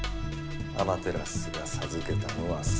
アマテラスが授けたのは「三種の神器」。